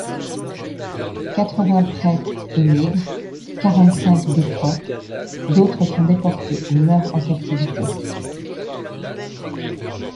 Quatre-vingts prêtres émigrent, quarante-cinq défroquent, d'autres sont déportés ou meurent en captivité.